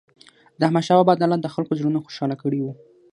د احمدشاه بابا عدالت د خلکو زړونه خوشحال کړي وو.